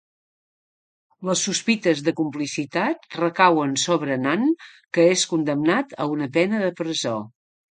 Les sospites de complicitat recauen sobre Nan, que és condemnat a una pena de presó.